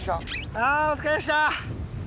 あお疲れでした。